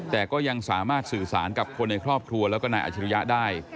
แต่ก็ยังสามารถสื่อสารกับคนในครอบครัวแล้วก็นายอาชิริยะได้